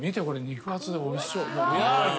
肉厚でおいしそう。